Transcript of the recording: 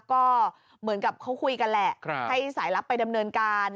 ก็เหมือนกับเขาคุยกันแหละให้สายลับไปดำเนินการ